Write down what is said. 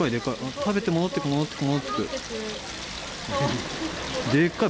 食べて戻ってく戻ってく戻ってく。